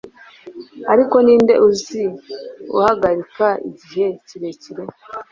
ariko ninde uzi uhagarika igihe kirekire